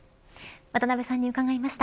渡辺さんに伺いました。